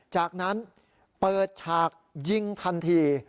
จากนั้นเปิดฉากยิงทันที